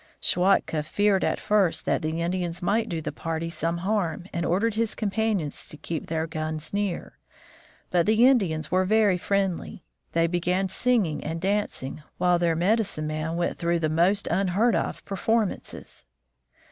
Schwatka feared at first that the Indians might do the party some harm, and ordered his companions to keep their guns near. But the Indians were very friendly. They began singing and dancing, while their medicine man went through the most unheard of performances.